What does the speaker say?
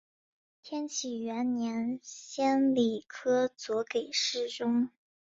天启元年迁礼科左给事中。